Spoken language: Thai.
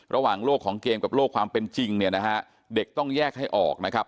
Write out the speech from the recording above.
ระหว่างโลกของเกมกับโลกความเป็นจริงเนี่ยนะฮะเด็กต้องแยกให้ออกนะครับ